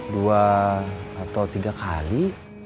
dua atau tiga kali